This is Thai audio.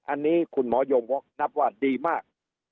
อันนี้คุณหมอยงวกนับว่าดีมาก